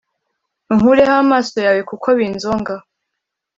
unkureho amaso yawe kuko binzonga